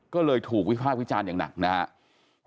ก็เลยถูกวิภาควิจารณ์อย่างหนักนะครับ